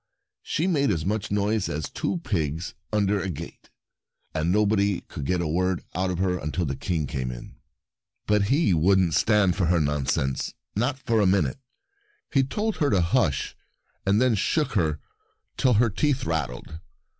She made as much noise as two pigs under a gate, and nobody could get a word out of her until the King came in. But he wouldn't stand her nonsense, not for a minute. He told her to hush, and then shook her till her teeth rattled.